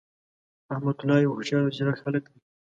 رحمت الله یو هوښیار او ځیرک هللک دی.